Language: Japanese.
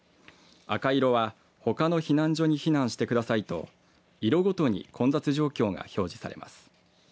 赤色は他の避難所に避難してくださいと色ごとに混雑状況が表示されます。